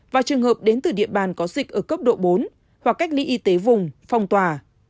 và trường hợp đến từ địa bàn có dịch ở cấp độ bốn hoặc cách ly y tế vùng phong tỏa